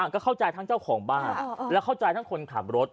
ก็เข้าใจทั้งเจ้าของบ้านและเข้าใจทั้งคนขับรถ